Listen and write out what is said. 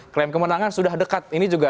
klaim kemenangan sudah dekat ini juga